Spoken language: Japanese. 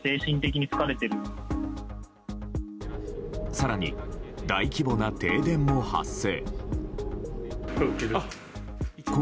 更に大規模な停電も発生。